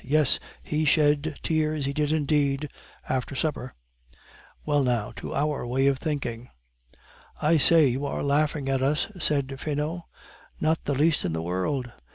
Yes, he shed tears, he did indeed after supper. Well, now to our way of thinking " "I say, you are laughing at us," said Finot. "Not the least in the world.